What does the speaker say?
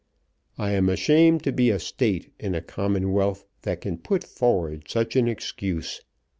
I am ashamed to be a State in a commonwealth that can put forward such an excuse.